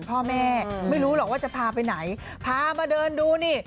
พ่อแม่ไม่รู้หรอกว่าจะพาไปไหนพามาเดินดูนี่